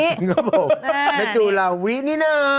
ก็พบน่าจุลาวินี่น้า